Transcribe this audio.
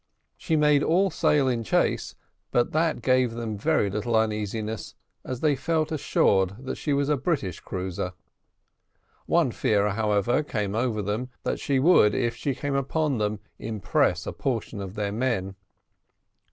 She made all sail in chase, but that gave them very little uneasiness, as they felt assured that she was a British cruiser. One fear, however, came over them, that she would, if she came up with them, impress a portion of their men.